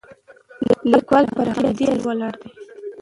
لیکوال پر همدې اصل ولاړ دی.